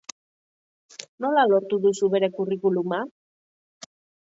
Nola lortu duzu bere Curriculuma?